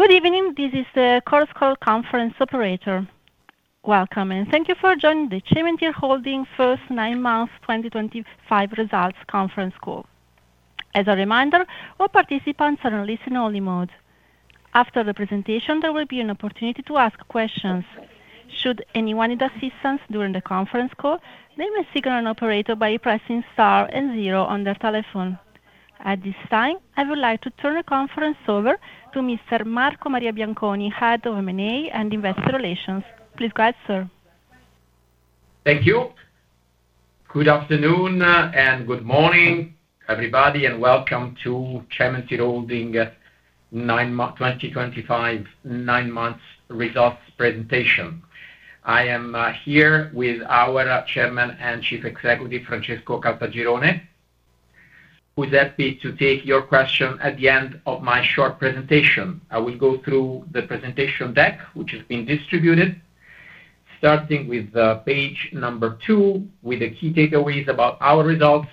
Good evening. This is the Chorus Call conference operator. Welcome, and thank you for joining the Cementir Holding First 9 Months 2025 Results Conference Call. As a reminder, all participants are in listen-only mode. After the presentation, there will be an opportunity to ask questions. Should anyone need assistance during the conference call, they may signal an operator by pressing star and zero on their telephone. At this time, I would like to turn the conference over to Mr. Marco Maria Bianconi, Head of M&A and Investor Relations. Please go ahead, sir. Thank you. Good afternoon and good morning, everybody, and welcome to Cementir Holding 2025 9 Months results presentation. I am here with our Chairman and Chief Executive, Francesco Caltagirone, who's happy to take your question at the end of my short presentation. I will go through the presentation deck, which has been distributed. Starting with page number 2, with the key takeaways about our results.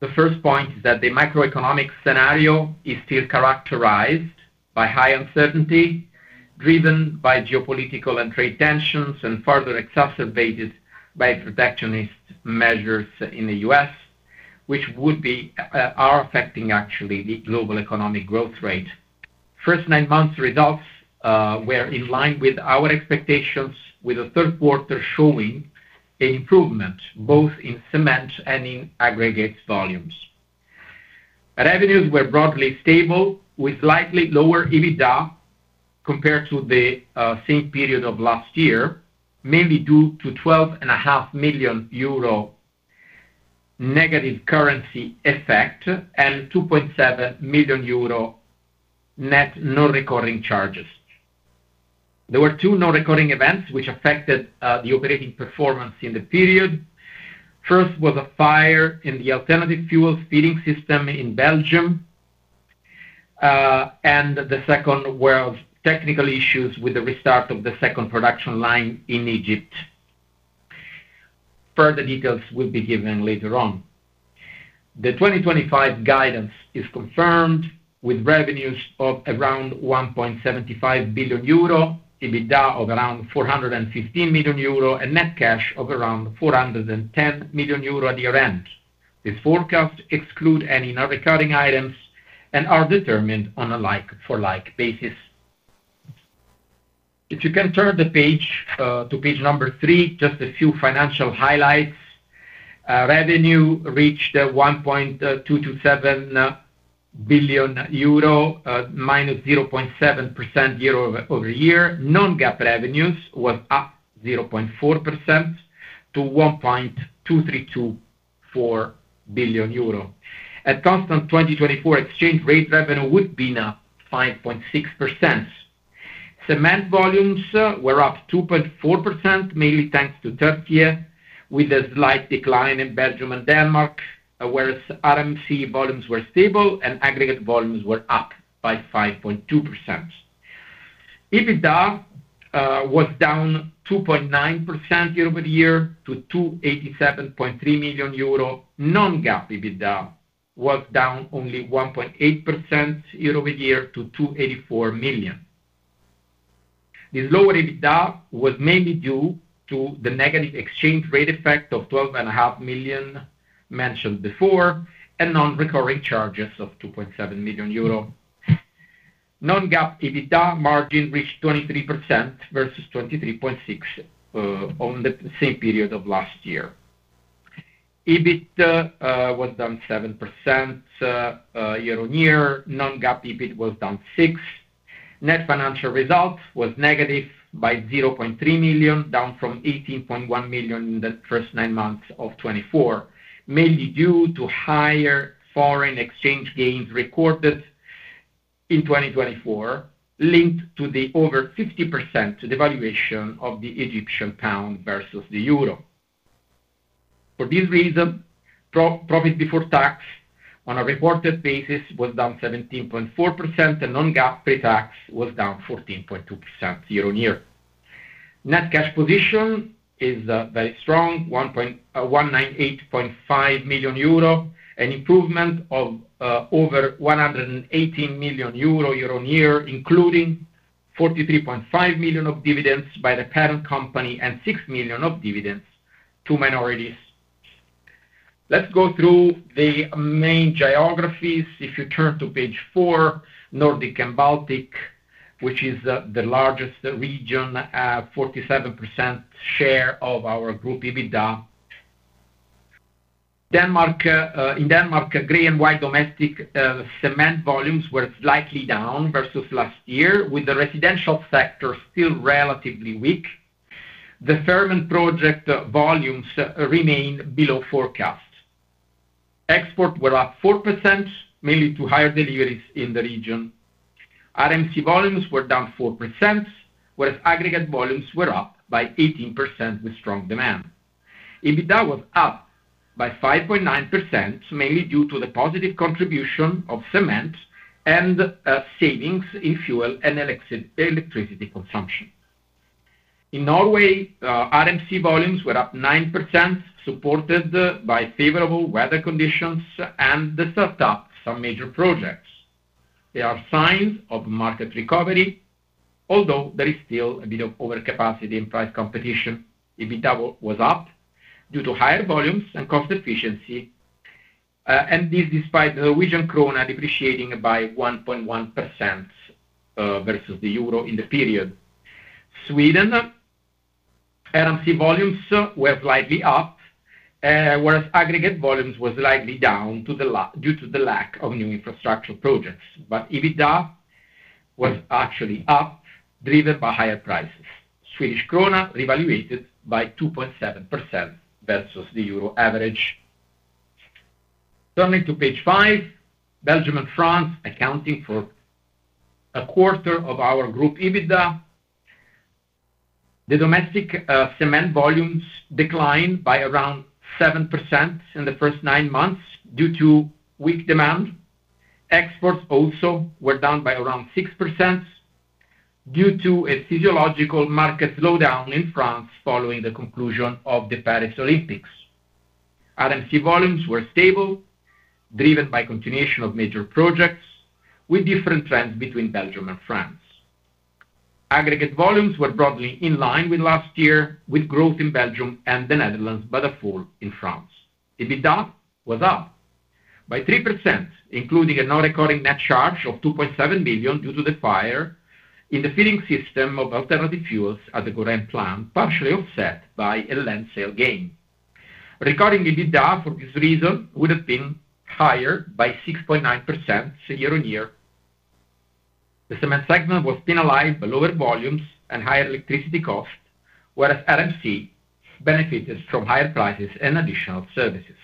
The first point is that the macroeconomic scenario is still characterized by high uncertainty, driven by geopolitical and trade tensions, and further exacerbated by protectionist measures in the U.S., which would be affecting, actually, the global economic growth rate. First 9 Months results were in line with our expectations, with the third quarter showing an improvement both in cement and in aggregate volumes. Revenues were broadly stable, with slightly lower EBITDA compared to the same period of last year, mainly due to 12.5 million euro. Negative currency effect and 2.7 million euro. Net non-recurring charges. There were two non-recurring events which affected the operating performance in the period. First was a fire in the alternative fuel feeding system in Belgium. The second were technical issues with the restart of the second production line in Egypt. Further details will be given later on. The 2025 guidance is confirmed, with revenues of around 1.75 billion euro, EBITDA of around 415 million euro, and net cash of around 410 million euro year-end. These forecasts exclude any non-recurring items and are determined on a like-for-like basis. If you can turn the page to page number 3, just a few financial highlights. Revenue reached 1.227 billion euro, minus 0.7% year-over-year. Non-GAAP revenues were up 0.4% to 1.2324 billion euro. At constant 2024 exchange rate, revenue would be now 5.6%. Cement volumes were up 2.4%, mainly thanks to Türkiye, with a slight decline in Belgium and Denmark, whereas RMC volumes were stable and aggregate volumes were up by 5.2%. EBITDA was down 2.9% year-over-year to 287.3 million euro. Non-GAAP EBITDA was down only 1.8% year-over-year to 284 million. This lower EBITDA was mainly due to the negative exchange rate effect of 12.5 million mentioned before and non-recurring charges of 2.7 million euro. Non-GAAP EBITDA margin reached 23% versus 23.6% in the same period of last year. EBIT was down 7% year-on-year. Non-GAAP EBIT was down 6%. Net financial result was negative by 0.3 million, down from 18.1 million in the first nine months of 2024, mainly due to higher foreign exchange gains recorded in 2024, linked to the over 50% devaluation of the Egyptian pound versus the Euro. For this reason, profit before tax on a reported basis was down 17.4%, and non-GAAP pre-tax was down 14.2% year-on-year. Net cash position is very strong, 198.5 million euro, an improvement of over 118 million euro year-on-year, including 43.5 million of dividends by the parent company and 6 million of dividends to minorities. Let's go through the main geographies. If you turn to page 4, Nordic & Baltic, which is the largest region. 47% share of our group EBITDA. In Denmark, grey and white domestic cement volumes were slightly down versus last year, with the residential sector still relatively weak. The Fermern project volumes remain below forecast. Exports were up 4%, mainly to higher deliveries in the region. RMC volumes were down 4%, whereas aggregate volumes were up by 18% with strong demand. EBITDA was up by 5.9%, mainly due to the positive contribution of cement and savings in fuel and electricity consumption. In Norway, RMC volumes were up 9%, supported by favorable weather conditions and the startup of some major projects. There are signs of market recovery, although there is still a bit of overcapacity in price competition. EBITDA was up due to higher volumes and cost efficiency. This was despite the Norwegian krone depreciating by 1.1% versus the Euro in the period. In Sweden, RMC volumes were slightly up, whereas aggregate volumes were slightly down due to the lack of new infrastructure projects. EBITDA was actually up, driven by higher prices. The Swedish krona revaluated by 2.7% versus the Euro average. Turning to page 5, Belgium and France account for a quarter of our group EBITDA. The domestic cement volumes declined by around 7% in the first 9 months due to weak demand. Exports also were down by around 6% due to a physiological market slowdown in France following the conclusion of the Paris Olympics. RMC volumes were stable, driven by continuation of major projects, with different trends between Belgium and France. Aggregate volumes were broadly in line with last year, with growth in Belgium and the Netherlands but a fall in France. EBITDA was up by 3%, including a non-recurring net charge of 2.7 million due to the fire in the feeding system of alternative fuels at the Gaurain plant, partially offset by a land sale gain. Recording EBITDA for this reason would have been higher by 6.9% year-on-year. The cement segment was penalized by lower volumes and higher electricity costs, whereas RMC benefited from higher prices and additional services.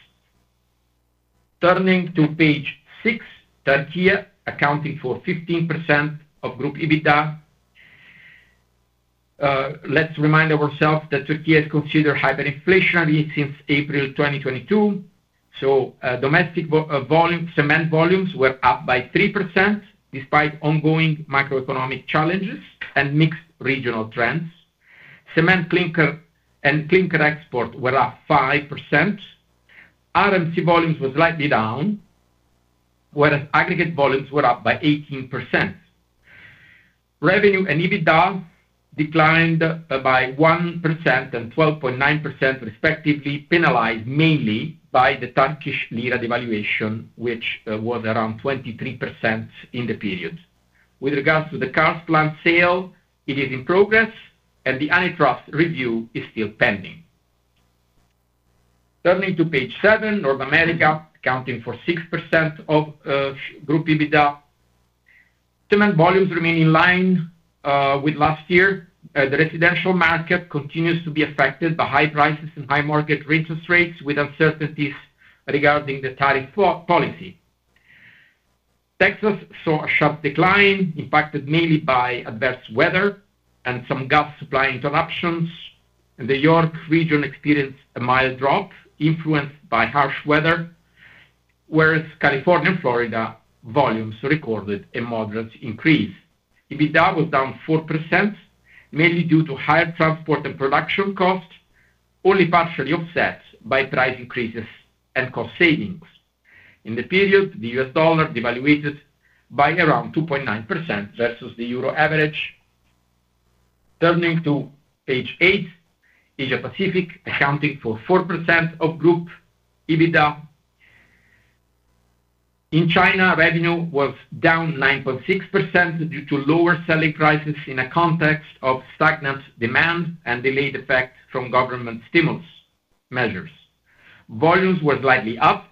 Turning to page 6, Türkiye accounting for 15% of group EBITDA. Let's remind ourselves that Türkiye is considered hyperinflationary since April 2022. So domestic cement volumes were up by 3% despite ongoing macroeconomic challenges and mixed regional trends. Cement and clinker exports were up 5%. RMC volumes were slightly down, whereas aggregate volumes were up by 18%. Revenue and EBITDA declined by 1% and 12.9% respectively, penalized mainly by the Turkish lira devaluation, which was around 23% in the period. With regards to the car plant sale, it is in progress, and the Antitrust review is still pending. Turning to page 7, North America accounting for 6% of group EBITDA. Cement volumes remain in line with last year. The residential market continues to be affected by high prices and high market rental rates, with uncertainties regarding the tariff policy. Texas saw a sharp decline, impacted mainly by adverse weather and some gas supply interruptions. The York region experienced a mild drop, influenced by harsh weather, whereas California and Florida volumes recorded a moderate increase. EBITDA was down 4%, mainly due to higher transport and production costs, only partially offset by price increases and cost savings. In the period, the U.S. dollar devalued by around 2.9% versus the Euro average. Turning to page 8, Asia-Pacific accounting for 4% of group EBITDA. In China, revenue was down 9.6% due to lower selling prices in a context of stagnant demand and delayed effect from government stimulus measures. Volumes were slightly up.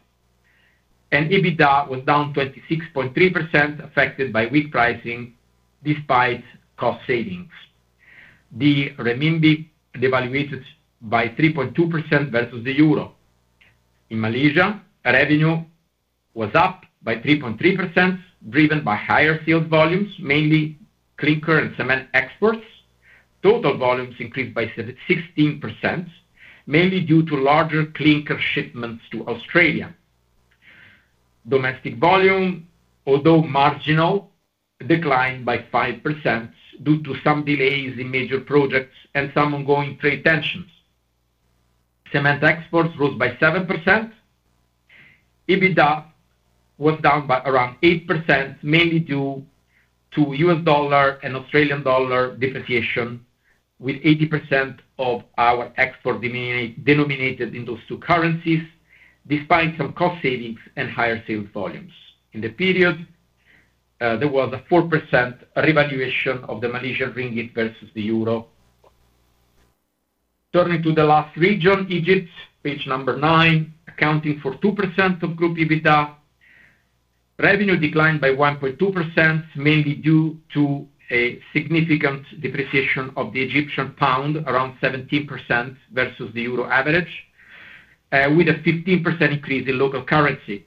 EBITDA was down 26.3%, affected by weak pricing despite cost savings. The renminbi devalued by 3.2% versus the Euro. In Malaysia, revenue was up by 3.3%, driven by higher sales volumes, mainly clinker and cement exports. Total volumes increased by 16%, mainly due to larger clinker shipments to Australia. Domestic volume, although marginal, declined by 5% due to some delays in major projects and some ongoing trade tensions. Cement exports rose by 7%. EBITDA was down by around 8%, mainly due to U.S. dollar and Australian dollar depreciation, with 80% of our exports denominated in those two currencies, despite some cost savings and higher sales volumes in the period. There was a 4% revaluation of the Malaysian ringgit versus the Euro. Turning to the last region, Egypt, page number 9, accounting for 2% of group EBITDA. Revenue declined by 1.2%, mainly due to a significant depreciation of the Egyptian pound, around 17% versus the Euro average, with a 15% increase in local currency.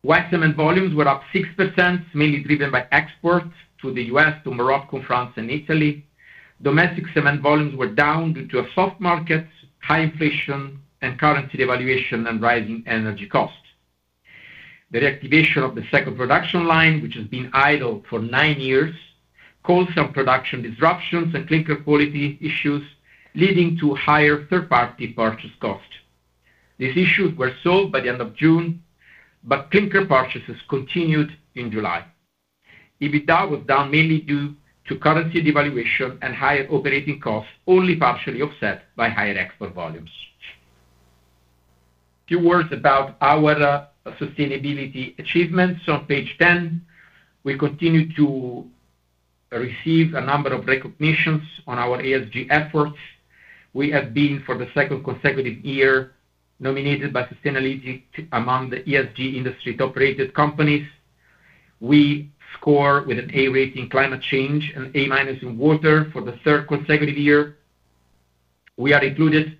White cement volumes were up 6%, mainly driven by exports to the U.S., to Morocco, France, and Italy. Domestic cement volumes were down due to a soft market, high inflation, and currency devaluation and rising energy costs. The reactivation of the second production line, which has been idle for nine years, caused some production disruptions and clinker quality issues, leading to higher third-party purchase costs. These issues were solved by the end of June, but clinker purchases continued in July. EBITDA was down mainly due to currency devaluation and higher operating costs, only partially offset by higher export volumes. A few words about our sustainability achievements. On page 10, we continue to receive a number of recognitions on our ESG efforts. We have been, for the second consecutive year, nominated by Sustainalytics among the ESG industry-toperated companies. We score with an A rate in climate change and A- in water for the third consecutive year. We are included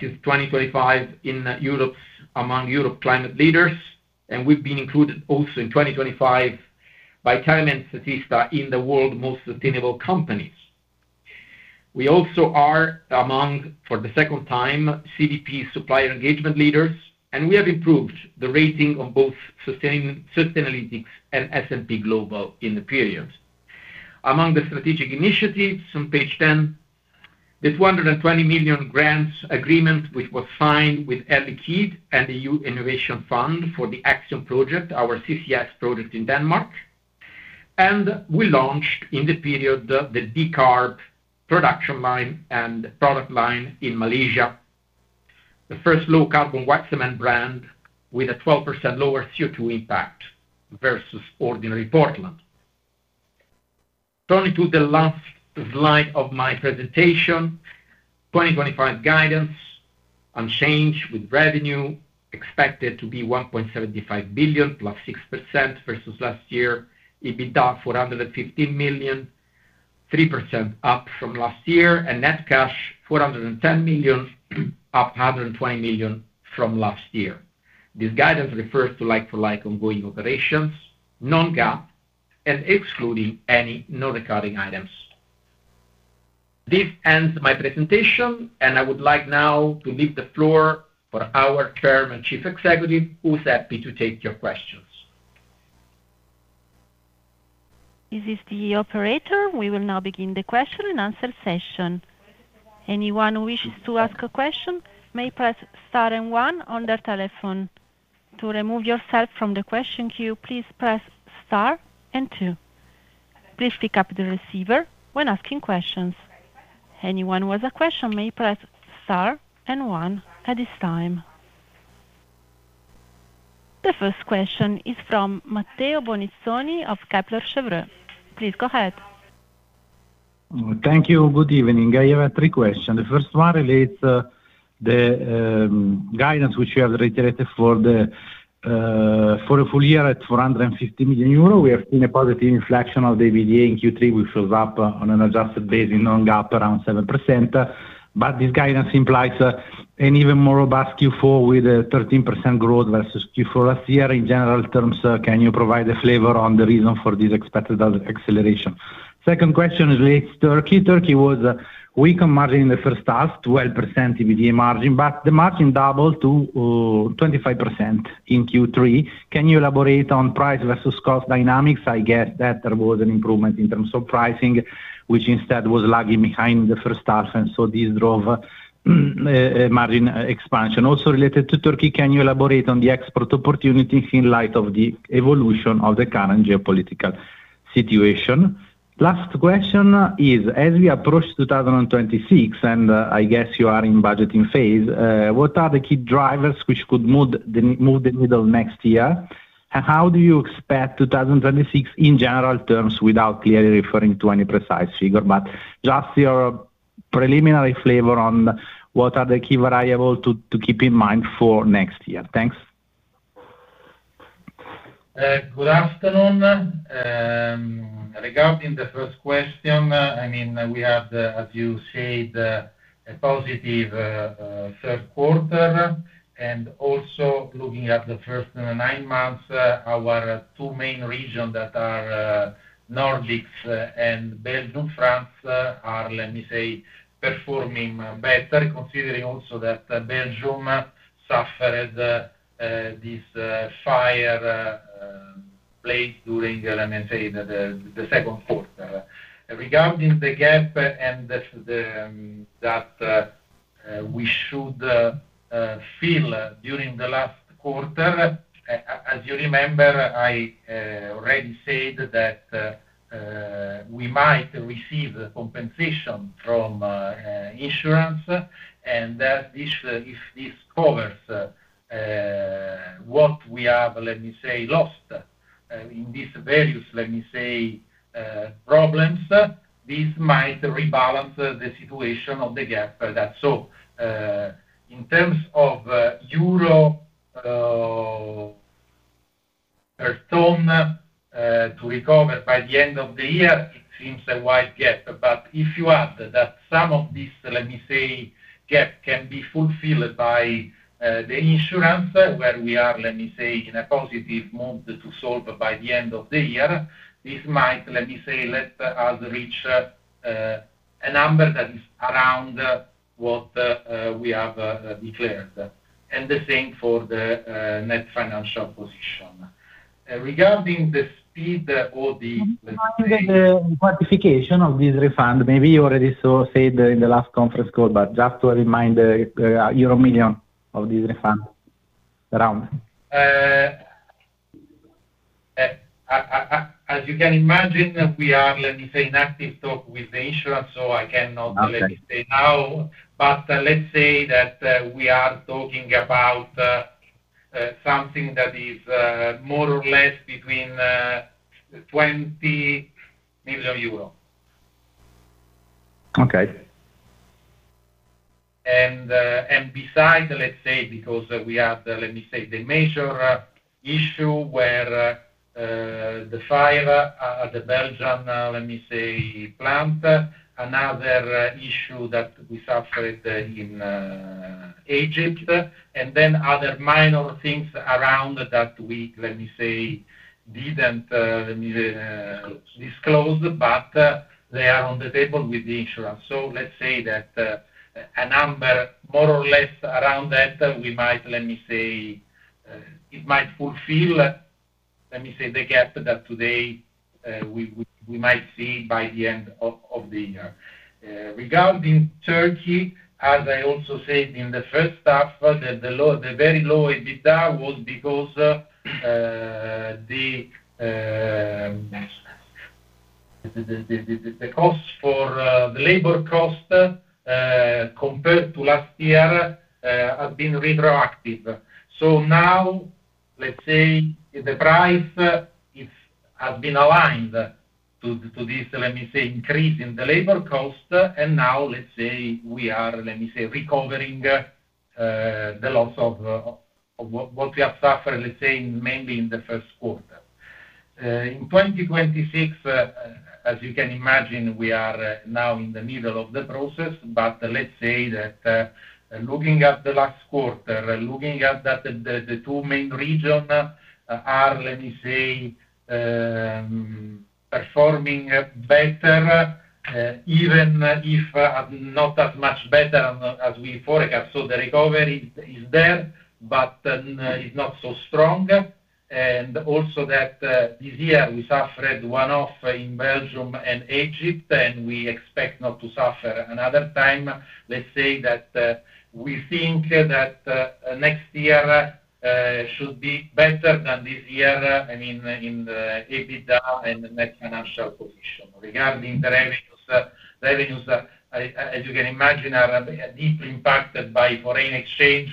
since 2025 in. Among Europe's climate leaders, and we've been included also in 2025 by Statista in the world's most sustainable companies. We also are, among, for the second time, CDP Supplier Engagement Leaders, and we have improved the rating on both Sustainalytics and S&P Global in the period. Among the strategic initiatives, on page 10. The 220 million grants agreement, which was signed with Air Liquide and the EU Innovation Fund for the ACCSION project, our CCS project in Denmark. We launched, in the period, the D-Carb production line and product line in Malaysia. The first low-carbon white cement brand with a 12% lower CO2 impact versus ordinary Portland. Turning to the last slide of my presentation. 2025 guidance unchanged, with revenue expected to be 1.75 billion, up 6% versus last year, EBITDA 415 million, 3% up from last year, and net cash 410 million, up 120 million from last year. This guidance refers to like-for-like ongoing operations, non-GAAP, and excluding any non-recurring items. This ends my presentation, and I would like now to leave the floor for our Chairman and Chief Executive, who is happy to take your questions. This is the operator. We will now begin the question and answer session. Anyone who wishes to ask a question may press star and one on their telephone. To remove yourself from the question queue, please press star and two. Please pick up the receiver when asking questions. Anyone who has a question may press star and one at this time. The first question is from Matteo Bonizzoni of Kepler Cheuvreux. Please go ahead. Thank you. Good evening. I have three questions. The first one relates to the guidance which we have reiterated for the full year at 450 million euro. We have seen a positive inflection of the EBITDA in Q3, which was up on an adjusted base, a non-GAAP around 7%. This guidance implies an even more robust Q4 with a 13% growth versus Q4 last year. In general terms, can you provide a flavor on the reason for this expected acceleration? Second question relates to Türkiye. Türkiye was weak on margin in the first half, 12% EBITDA margin, but the margin doubled to 25% in Q3. Can you elaborate on price versus cost dynamics? I guess that there was an improvement in terms of pricing, which instead was lagging behind in the first half, and so this drove margin expansion. Also related to Türkiye, can you elaborate on the export opportunities in light of the evolution of the current geopolitical situation? Last question is, as we approach 2026, and I guess you are in budgeting phase, what are the key drivers which could move the needle next year? How do you expect 2026 in general terms, without clearly referring to any precise figure, but just your preliminary flavor on what are the key variables to keep in mind for next year? Thanks. Good afternoon. Regarding the first question, I mean, we had, as you said, a positive third quarter. Also, looking at the first nine months, our two main regions that are Nordics and Belgium, France, are, let me say, performing better, considering also that Belgium suffered this fire plate during, let me say, the second quarter. Regarding the gap and that we should fill during the last quarter, as you remember, I already said that we might receive compensation from insurance, and that if this covers. What we have, let me say, lost in these various, let me say, problems, this might rebalance the situation of the gap that's so. In terms of euro return to recover by the end of the year, it seems a wide gap. If you add that some of this, let me say, gap can be fulfilled by the insurance, where we are, let me say, in a positive mood to solve by the end of the year, this might, let me say, let us reach a number that is around what we have declared. The same for the net financial position. Regarding the speed or-- The quantification of this refund, maybe you already said in the last conference call, but just to remind, euro 1 million of this refund. Around? As you can imagine, we are, let me say, in active talk with the insurance, so I cannot, let me say, now. Let's say that we are talking about something that is more or less between 20 million euros. Okay. Besides, let's say, because we had, let me say, the major issue where the fire at the Belgium, let me say, plant, another issue that we suffered in Egypt, and then other minor things around that we, let me say, did not disclose, but they are on the table with the insurance. Let's say that a number more or less around that, we might, let me say, it might fulfill, let me say, the gap that today we might see by the end of the year. Regarding Türkiye, as I also said in the first half, the very low EBITDA was because the cost for the labor cost. Compared to last year, it has been retroactive. Now, let's say, the price has been aligned to this, let me say, increase in the labor cost, and now, let's say, we are, let me say, recovering the loss of what we have suffered, let's say, mainly in the first quarter. In 2026, as you can imagine, we are now in the middle of the process, but let's say that, looking at the last quarter, looking at the two main regions, are, let me say, performing better, even if not as much better as we forecast. The recovery is there, but it is not so strong. Also, this year, we suffered one-off in Belgium and Egypt, and we expect not to suffer another time. Let's say that we think that next year should be better than this year, I mean, in EBITDA and net financial position. Regarding the revenues, as you can imagine, are deeply impacted by foreign exchange,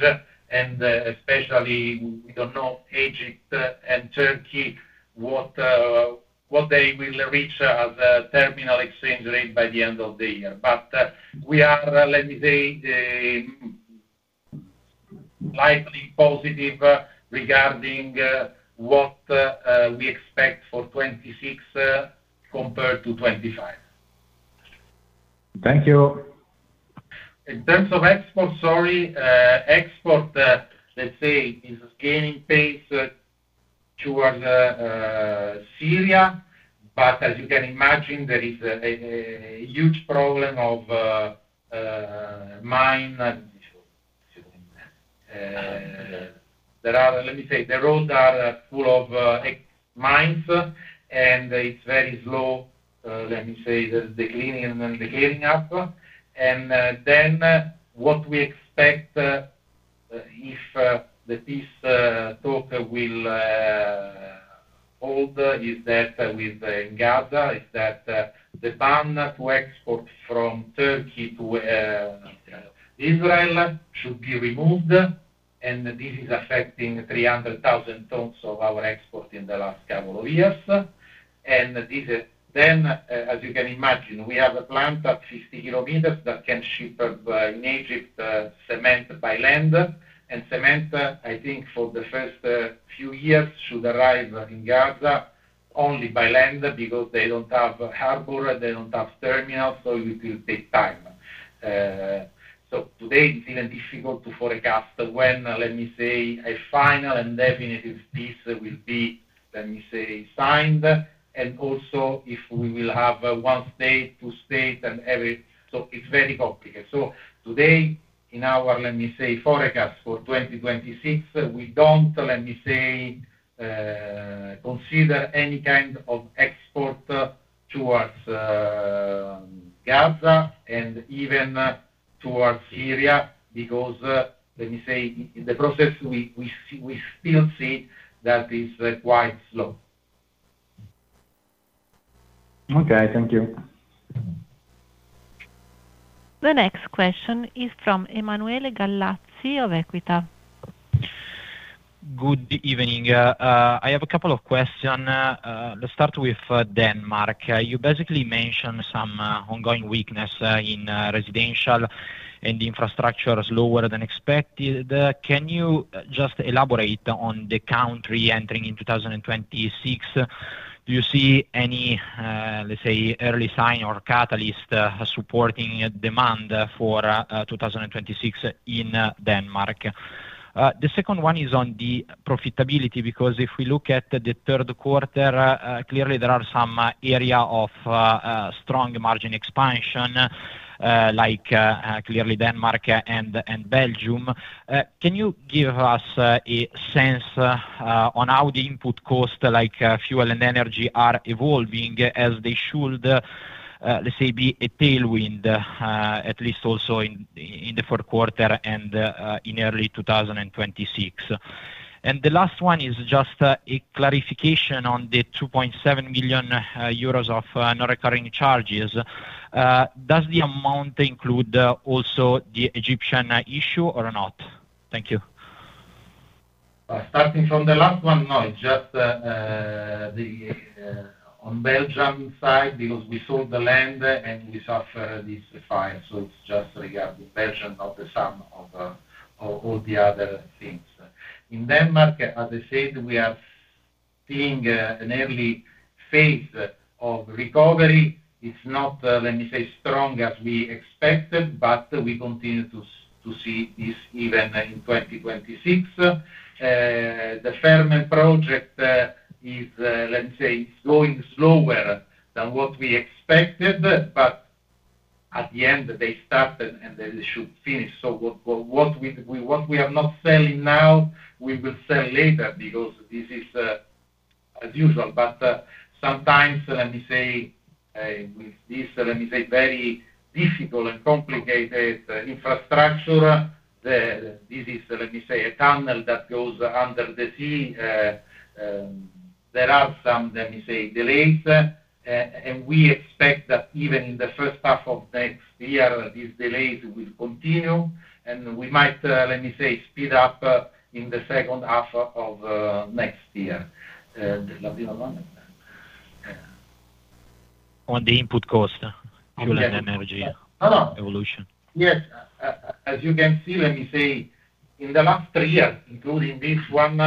and especially we do not know Egypt and Türkiye what they will reach as a terminal exchange rate by the end of the year. We are, let me say, likely positive regarding what we expect for 2026 compared to 2025. Thank you. In terms of export, sorry, export, let's say, is gaining pace towards Syria, but as you can imagine, there is a huge problem of mine. Let me say, the roads are full of mines, and it is very slow, let me say, the cleaning and the clearing up. What we expect, if the peace talk will hold, is that with Gaza, the ban to export from Türkiye to Israel should be removed, and this is affecting 300,000 tons of our export in the last couple of years. As you can imagine, we have a plant at 50 km that can ship in Egypt cement by land. Cement, I think, for the first few years should arrive in Gaza only by land because they do not have a harbor, they do not have a terminal, so it will take time. Today, it is even difficult to forecast when, let me say, a final and definitive peace will be, let me say, signed. Also, if we will have one state, two states, and every, so it is very complicated. Today, in our, let me say, forecast for 2026, we do not, let me say, consider any kind of export towards Gaza and even towards Syria because, let me say, in the process, we still see that it is quite slow. Okay. Thank you. The next question is from Emanuele Gallazzi of Equita. Good evening. I have a couple of questions. Let's start with Denmark. You basically mentioned some ongoing weakness in residential and infrastructure slower than expected. Can you just elaborate on the country entering in 2026? Do you see any, let's say, early sign or catalyst supporting demand for 2026 in Denmark? The second one is on the profitability because if we look at the third quarter, clearly there are some areas of strong margin expansion. Like clearly Denmark and Belgium. Can you give us a sense on how the input cost, like fuel and energy, are evolving as they should. Let's say, be a tailwind, at least also in the fourth quarter and in early 2026? The last one is just a clarification on the 2.7 million euros of non-recurring charges. Does the amount include also the Egyptian issue or not? Thank you. Starting from the last one, no. It's just. On the Belgium side, because we sold the land and we suffered this fire. It is just regarding Belgium, not the sum of all the other things. In Denmark, as I said, we are seeing an early phase of recovery. It is not, let me say, as strong as we expected, but we continue to see this even in 2026. The Fermern project is, let me say, going slower than what we expected, but at the end, they started and they should finish. What we are not selling now, we will sell later because this is as usual. Sometimes, let me say, with this, let me say, very difficult and complicated infrastructure. This is, let me say, a tunnel that goes under the sea. There are some, let me say, delays. We expect that even in the first half of next year, these delays will continue. We might, let me say, speed up in the second half of next year. [the other one?] On the input cost, fuel and energy evolution. Yes. As you can see, let me say, in the last three years, including this one,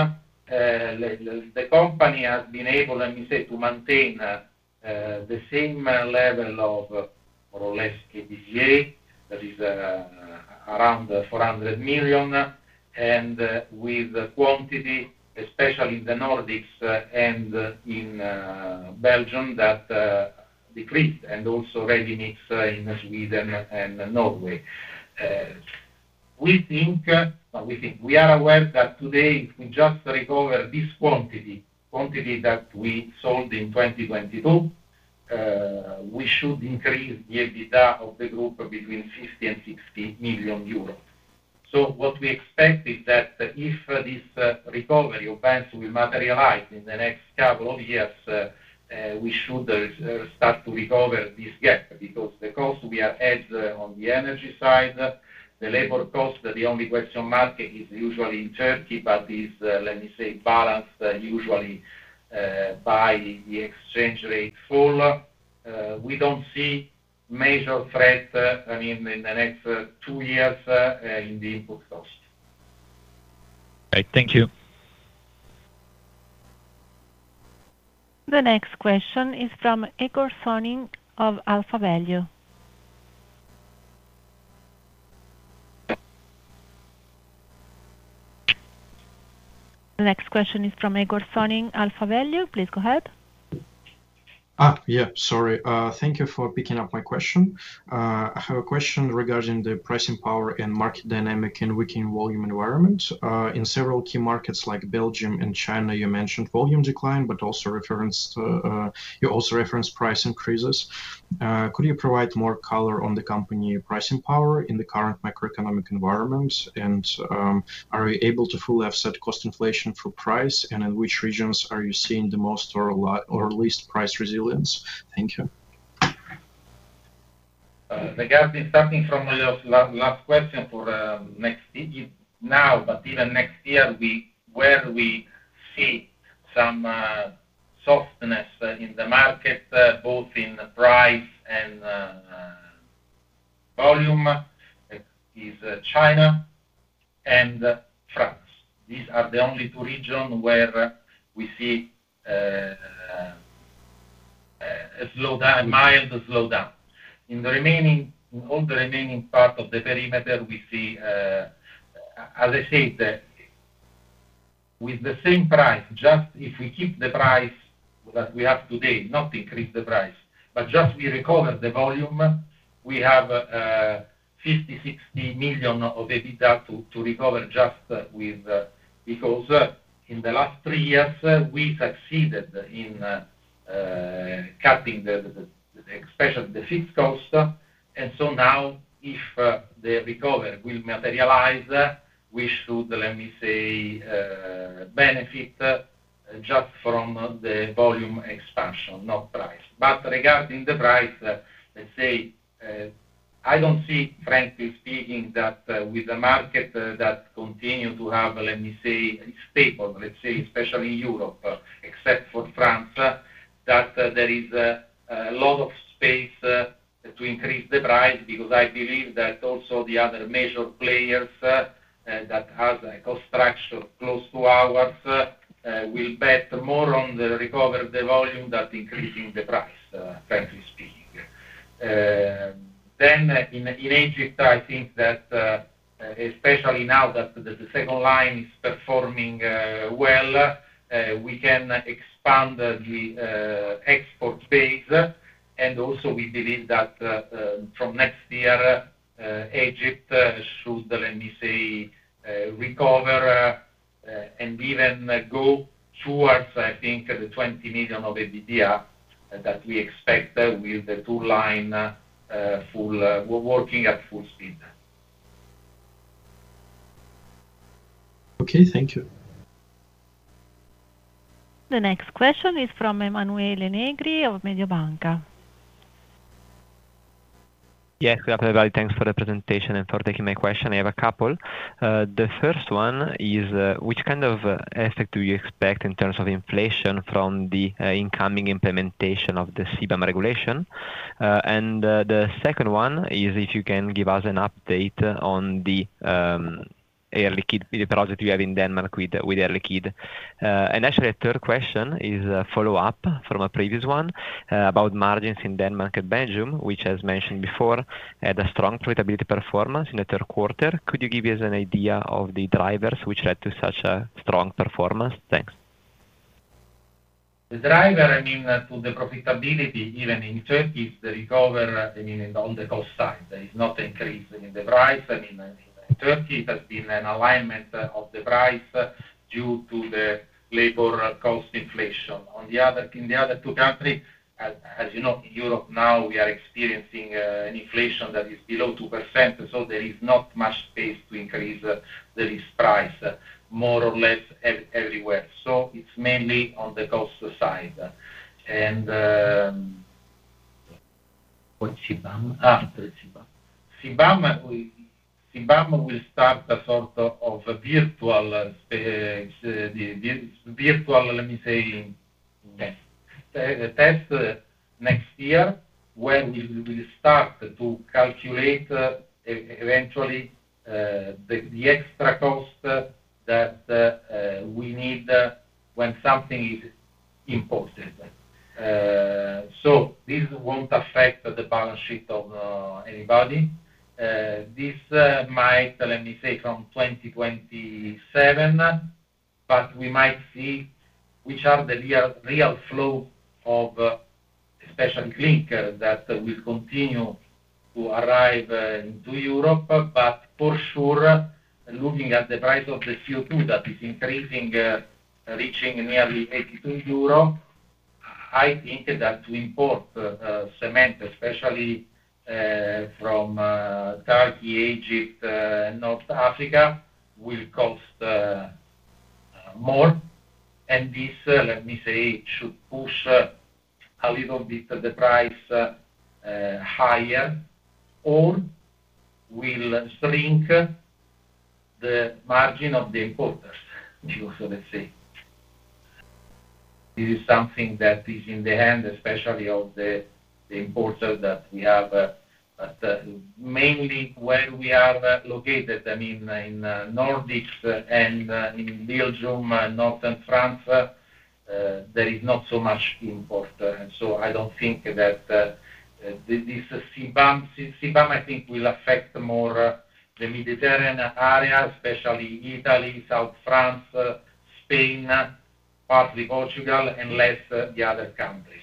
the company has been able, let me say, to maintain the same level of, or less, EBITDA. That is around 400 million. And with quantity, especially in the Nordics and in Belgium, that decreased, and also ready-mixed in Sweden and Norway. We think. We are aware that today, if we just recover this quantity, quantity that we sold in 2022, we should increase the EBITDA of the group between 50 million and 60 million euros. What we expect is that if this recovery of banks will materialize in the next couple of years, we should start to recover this gap because the cost we are adding on the energy side, the labor cost, the only question mark is usually in Türkiye, but is, let me say, balanced usually by the exchange rate fall. We do not see major threat, I mean, in the next two years in the input cost. Okay. Thank you. The next question is from Egor Sonin of AlphaValue. The next question is from Egor Sonin, AlphaValue. Please go ahead. Yeah. Sorry. Thank you for picking up my question. I have a question regarding the pricing power and market dynamic in working volume environments. In several key markets like Belgium and China, you mentioned volume decline, but also reference. You also reference price increases. Could you provide more color on the company pricing power in the current macroeconomic environment? Are you able to fully offset cost inflation for price? In which regions are you seeing the most or least price resilience? Thank you. Starting from the last question for next now, but even next year. Where we see some softness in the market, both in price and volume, is China and France. These are the only two regions where we see a mild slowdown. In all the remaining part of the perimeter, we see, as I said, with the same price, just if we keep the price that we have today, not increase the price, but just we recover the volume, we have 50 million-60 million of EBITDA to recover just with, because in the last three years, we succeeded in cutting, especially the fixed cost. If the recovery will materialize, we should, let me say, benefit just from the volume expansion, not price. Regarding the price, let's say, I don't see, frankly speaking, that with the market that continues to have, let me say, stable, let's say, especially in Europe, except for France, that there is a lot of space to increase the price because I believe that also the other major players that have a cost structure close to ours will bet more on the recovered volume than increasing the price, frankly speaking. In Egypt, I think that especially now that the second line is performing well, we can expand the export base. Also, we believe that from next year, Egypt should, let me say, recover and even go towards, I think, the 20 million of EBITDA that we expect with the two-line full working at full speed. Okay. Thank you. The next question is from Emanuele Negri of Mediobanca. Yes. Hello everybody. Thanks for the presentation and for taking my question. I have a couple. The first one is, which kind of effect do you expect in terms of inflation from the incoming implementation of the CBAM regulation? The second one is if you can give us an update on the Air Liquide project you have in Denmark with Air Liquide. Actually, a third question is a follow-up from a previous one about margins in Denmark and Belgium, which, as mentioned before, had a strong profitability performance in the third quarter. Could you give us an idea of the drivers which led to such a strong performance? Thanks. The driver, I mean, to the profitability, even in Türkiye, is the recovery, I mean, on the cost side. There is not an increase in the price. I mean, in Türkiye, it has been an alignment of the price due to the labor cost inflation. In the other two countries, as you know, in Europe now, we are experiencing an inflation that is below 2%, so there is not much space to increase the list price, more or less everywhere. It's mainly on the cost side. What CBAM? CBAM will start a sort of virtual, let me say, test next year when we will start to calculate, eventually, the extra cost that we need when something is imported. This will not affect the balance sheet of anybody. This might, let me say, from 2027. We might see which are the real flow of, especially, clinker that will continue to arrive into Europe. For sure, looking at the price of the CO2 that is increasing, reaching nearly 82 euro. I think that to import cement, especially from Türkiye, Egypt, and North Africa, will cost more. And this, let me say, should push a little bit the price higher. Or will shrink the margin of the importers, let's say. This is something that is in the hand, especially of the importer that we have. But mainly, where we are located, I mean, in the Nordics and in Belgium, Northern France, there is not so much import. I do not think that this CBAM, I think, will affect more the Mediterranean area, especially Italy, South France, Spain, partly Portugal, and less the other countries.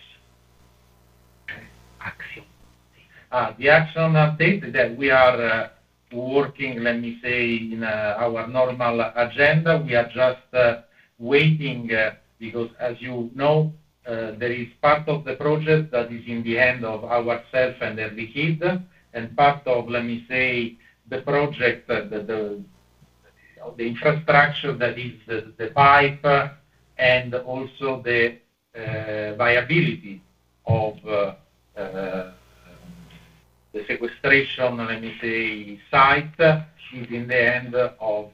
The action update that we are working, let me say, in our normal agenda, we are just waiting because, as you know, there is part of the project that is in the hand of ourself and Air Liquide, and part of, let me say, the project. The infrastructure that is the pipe and also the viability of the sequestration, let me say, site is in the hand of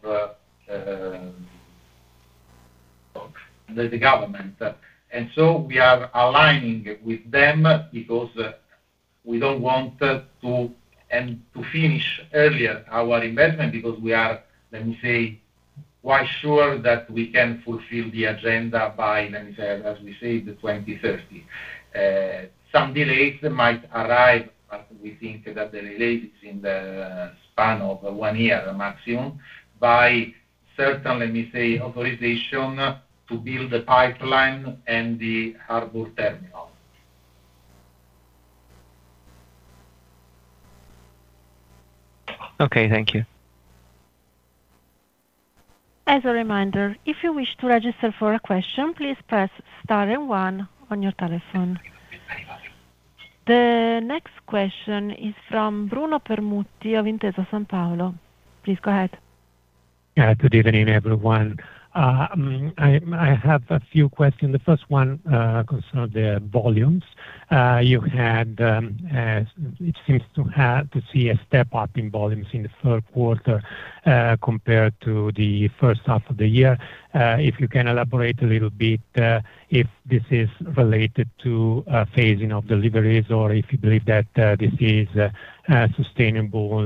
the government. And so we are aligning with them because we do not want to finish earlier our investment because we are, let me say, quite sure that we can fulfill the agenda by, let me say, as we say, 2030. Some delays might arrive, but we think that the delay is in the span of one year maximum by certain, let me say, authorization to build the pipeline and the harbor terminal. Okay. Thank you. As a reminder, if you wish to register for a question, please press star and one on your telephone. The next question is from Bruno Permutti of Intesa Sanpaolo. Please go ahead. Good evening, everyone. I have a few questions. The first one concerns the volumes. You had. It seems to see a step up in volumes in the third quarter compared to the first half of the year. If you can elaborate a little bit if this is related to phasing of deliveries or if you believe that this is sustainable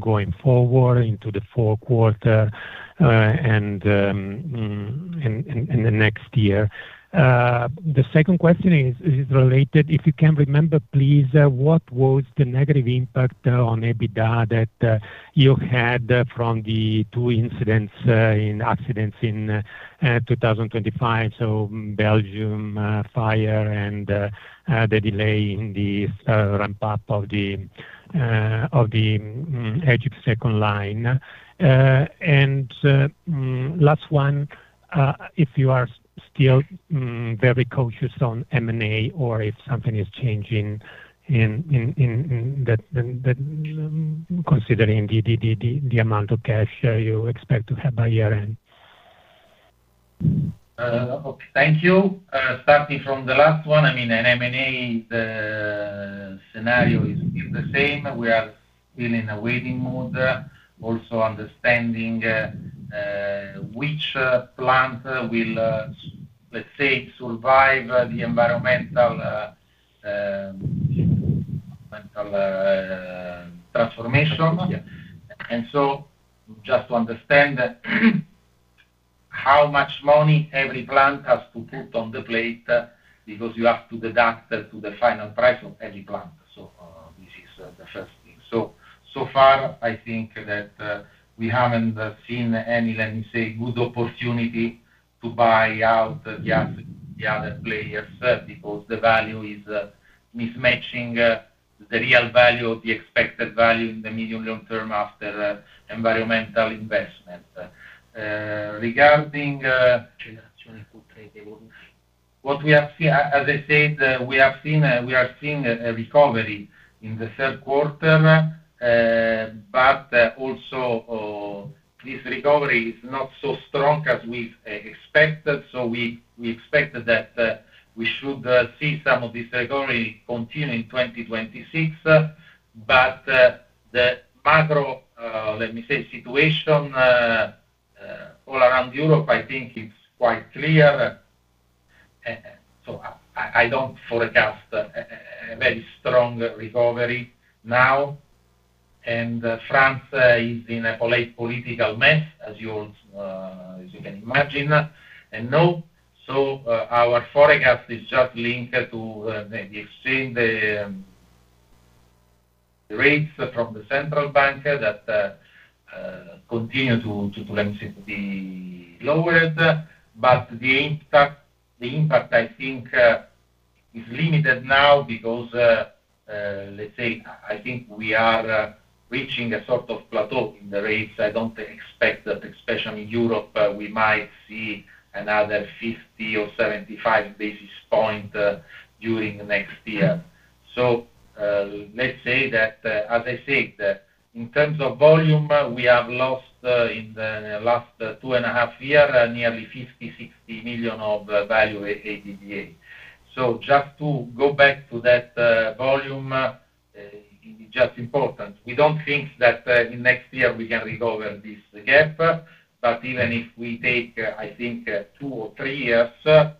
going forward into the fourth quarter and the next year. The second question is related, if you can remember, please, what was the negative impact on EBITDA that you had from the two incidents and accidents in 2025? So Belgium fire and the delay in the ramp-up of the Egypt second line. Last one, if you are still very cautious on M&A or if something is changing considering the amount of cash you expect to have by year-end. Thank you. Starting from the last one, I mean, an M&A scenario is the same. We are still in a waiting mode, also understanding which plant will. Let's say, survive the environmental transformation. And so just to understand, how much money every plant has to put on the plate because you have to deduct to the final price of every plant. This is the first thing. So far, I think that we haven't seen any, let me say, good opportunity to buy out the other players because the value is mismatching the real value of the expected value in the medium-long term after environmental investment. Regarding what we have seen, as I said, we are seeing a recovery in the third quarter. Also, this recovery is not so strong as we expected. We expect that we should see some of this recovery continue in 2026. The macro, let me say, situation all around Europe, I think, is quite clear. I don't forecast a very strong recovery now. France is in a political mess, as you can imagine and know. Our forecast is just linked to the exchange rates from the central bank that continue to, let me say, be lowered. The impact, I think, is limited now because, let's say, I think we are reaching a sort of plateau in the rates. I do not expect that, especially in Europe, we might see another 50 or 75 basis points during the next year. As I said, in terms of volume, we have lost in the last two and a half years nearly 50 million-60 million of value added. Just to go back to that volume, it is just important. We do not think that in next year we can recover this gap. Even if we take, I think, two or three years, it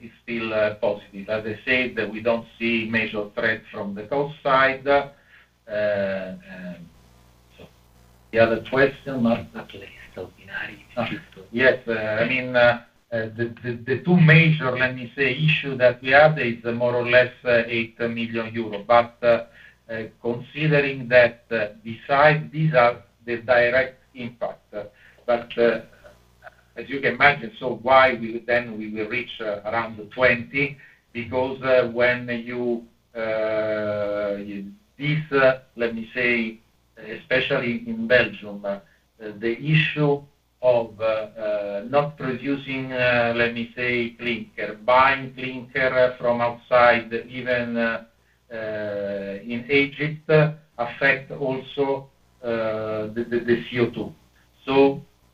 is still positive. As I said, we don't see major threats from the cost side. The other question, not the place. Yes. I mean, the two major, let me say, issues that we have is more or less 8 million euros. But considering that, besides these are the direct impact. As you can imagine, why then we will reach around 20 million? Because when you, this, let me say, especially in Belgium, the issue of not producing, let me say, clinker, buying clinker from outside, even in Egypt, affects also the CO2.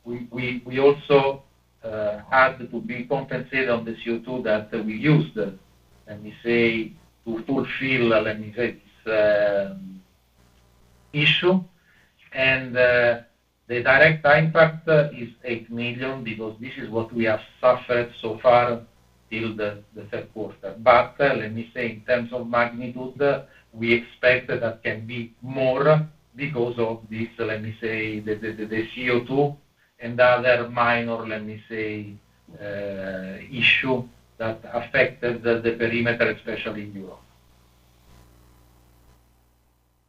We also had to be compensated on the CO2 that we used, let me say, to fulfill, let me say, this issue. The direct impact is 8 million because this is what we have suffered so far till the third quarter. Let me say, in terms of magnitude, we expect that can be more because of this, let me say, the CO2 and other minor, let me say, issues that affected the perimeter, especially in Europe.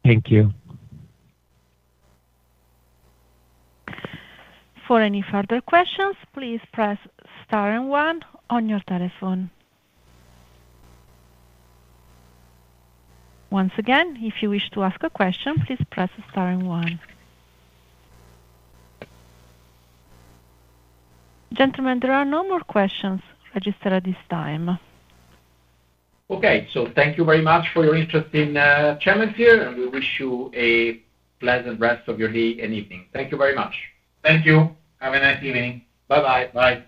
Thank you. For any further questions, please press star and one on your telephone. Once again, if you wish to ask a question, please press star and one. Gentlemen, there are no more questions registered at this time. Okay. Thank you very much for your interest in Cementir. We wish you a pleasant rest of your day and evening. Thank you very much. Thank you. Have a nice evening. Bye-bye. Bye.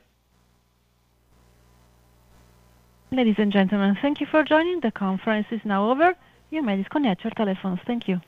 Ladies and gentlemen, thank you for joining. The conference is now over. You may disconnect your telephones. Thank you.